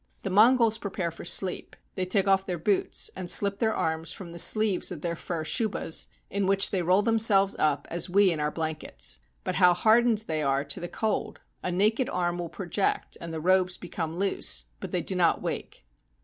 The Mongols prepare for sleep : they take off their boots, and slip their arms from the sleeves of their fur shubas, in which they roll themselves up as we in our blankets. But how hardened they are to the cold: a naked arm will project and the robes become loose, but they do not wake.